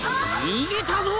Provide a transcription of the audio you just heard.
にげたぞ！